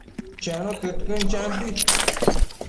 Chenu tëdquën, champi